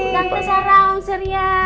tante sarah om surya